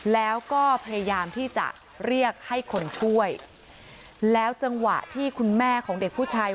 แล้วก็พยายามที่จะเรียกให้คนช่วยแล้วจังหวะที่คุณแม่ของเด็กผู้ชาย